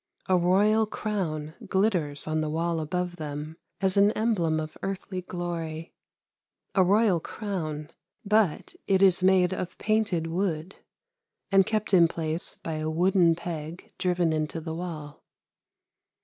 A royal crown glitters on the wall above them as an emblem of earthly glory; a royal crown, but it is made of painted wood, and kept in place by a wooden peg driven into the wall.